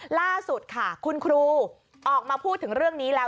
ล่าสุดค่ะคุณครูออกมาพูดถึงเรื่องนี้แล้ว